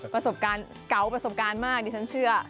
ประสบการณ์เก๋าประสบการณ์มากดิฉันเชื่อ